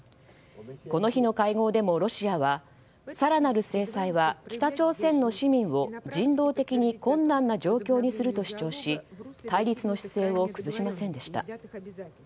この日の会合でもロシアは更なる制裁は北朝鮮の市民を人道的に困難な状況にすると主張し対立の姿勢を崩しませんでした。